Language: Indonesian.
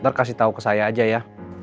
ntar kasih tahu ke saya aja ya